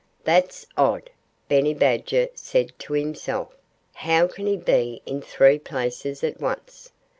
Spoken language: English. "That's odd!" Benny Badger said to himself. "How can he be in three places at once?"